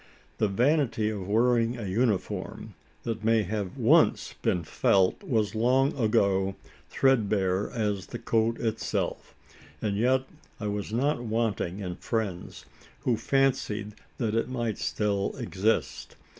The vanity of wearing a uniform, that may have once been felt, was long ago threadbare as the coat itself; and yet I was not wanting in friends, who fancied that it might still exist!